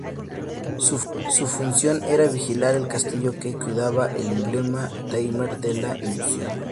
Su función era vigilar el castillo que cuidaba el emblema V-Tamer de la ilusión.